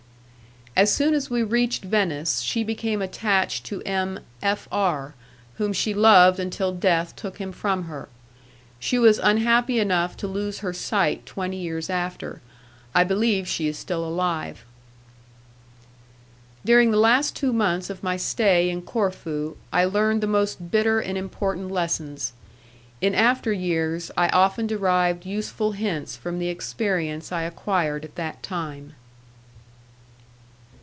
As soon as we reached Venice she became attached to M. F R , whom she loved until death took him from her. She was unhappy enough to lose her sight twenty years after. I believe she is still alive. During the last two months of my stay in Corfu, I learned the most bitter and important lessons. In after years I often derived useful hints from the experience I acquired at that time.